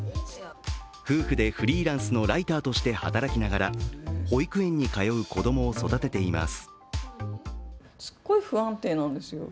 夫婦でフリーランスのライターとして働きながら保育園に通う子供を育てています。